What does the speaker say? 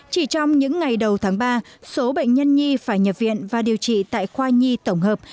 chỉ trong những ngày đầu tháng ba số bệnh nhân nhi phải nhập viện và điều trị tại khoa nhi tổng hợp